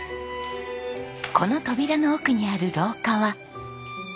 この扉の奥にある廊下は。